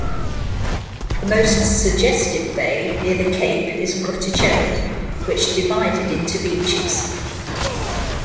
The most suggestive bay near the Cape is Grotticelle, which divided into beaches.